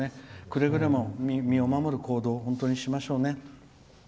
くれぐれも身を守る行動を本当にしましょうね。